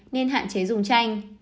nên hạn chế dùng chanh